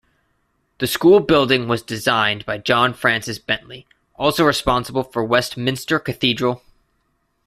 The school building was designed by John Francis Bentley, also responsible for Westminster Cathedral.